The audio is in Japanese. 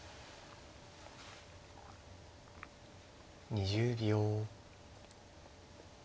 ２０秒。